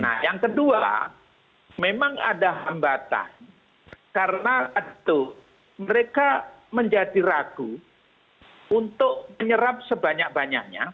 nah yang kedua memang ada hambatan karena itu mereka menjadi ragu untuk menyerap sebanyak banyaknya